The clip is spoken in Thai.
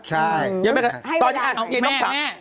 ตอนนี้กักเกรงตอนนี้ต้องจับ